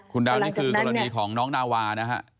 คุณดาวนี่คือกรณีของน้องนาวานะฮะ